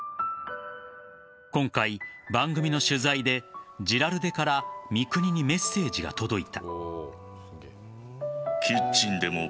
今回、番組の取材でジラルデから三國にメッセージが届いた。